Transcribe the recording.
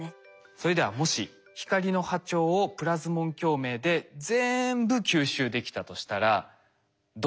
それではもし光の波長をプラズモン共鳴でぜんぶ吸収できたとしたらどうなっちゃうでしょうか？